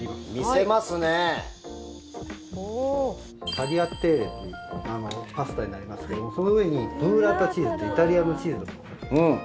タリアテッレというパスタになりますけどもその上にブッラータチーズというイタリアのチーズを。